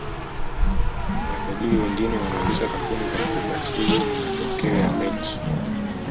Matajiri wengine wanaanzisha kampuni za kubashili mayokeo ya mechi